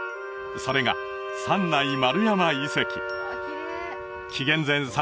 それが三内丸山遺跡紀元前